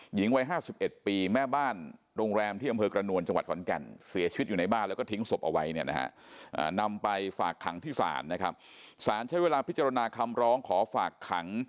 หญิงวัย๕๑ปีแม่บ้านโรงแรมที่บกระนวลจังหวัดขอนแก่น